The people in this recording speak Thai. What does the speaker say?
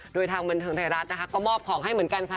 โดยทางบันเทิงไทยรัฐนะคะก็มอบของให้เหมือนกันค่ะ